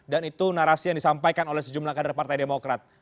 dan itu narasi yang disampaikan oleh sejumlah kadar partai demokrat